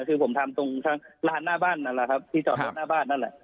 คือผมทำตรงทางร้านหน้าบ้านนั่นแหละครับที่จอดรถหน้าบ้านนั่นแหละ